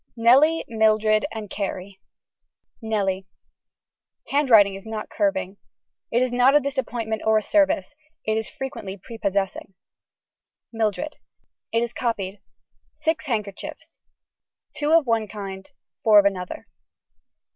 Nellie Mildred and Carrie. (Nellie.) Handwriting is not curving. It is not a disappointment or a service it is frequently prepossessing. (Mildred.) It is copied. Six handkerchiefs. Two of one kind four of another.